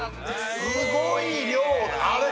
すごい量だあれ！